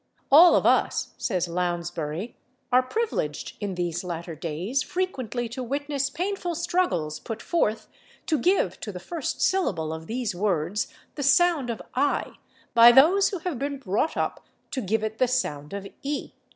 "All of us," says Lounsbury, "are privileged in these latter days frequently to witness painful struggles put forth to give to the first syllable of these words the sound of /i/ by those who have been brought up to give it the sound of /e